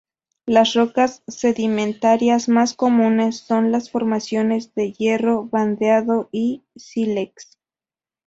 Las rocas sedimentarias más comunes son las formaciones de hierro bandeado y sílex.